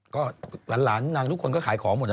ก็หลานนางทุกคนก็ขายของหมดเลยเนอะ